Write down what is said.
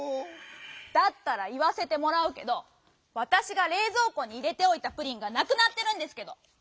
だったらいわせてもらうけどわたしがれいぞうこにいれておいたプリンがなくなってるんですけど！